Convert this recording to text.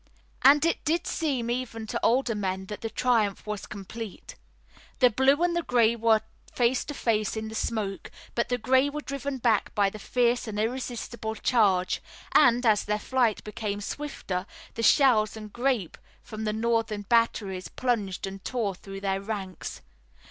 And it did seem even to older men that the triumph was complete. The blue and the gray were face to face in the smoke, but the gray were driven back by the fierce and irresistible charge, and, as their flight became swifter, the shells and grape from the Northern batteries plunged and tore through their ranks.